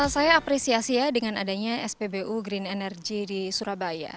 saya apresiasi ya dengan adanya spbu green energy di surabaya